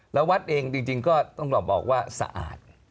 แล้ววัดเองจริงก็ต้องบอกว่าสะอาด